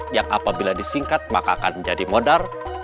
yang apabila disingkat maka akan menjadi modal